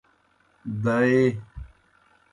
دائے۔